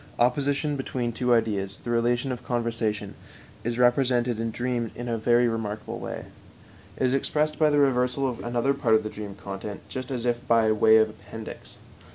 Opposition between two ideas, the relation of conversion, is represented in dreams in a very remarkable way. It is expressed by the reversal of another part of the dream content just as if by way of appendix.